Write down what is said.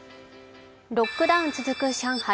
ロックダウン続く上海。